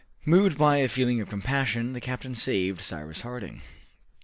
Moved by a feeling of compassion the captain saved Cyrus Harding.